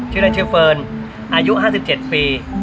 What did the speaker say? ชื่อเล่นชื่อเฟิร์นอายุ๕๗ปี